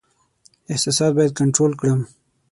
احساسات باید کنټرول کړم.